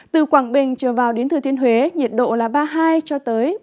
từ quảng bình trở vào đến thừa thiên huế nhiệt độ là ba mươi hai ba mươi ba độ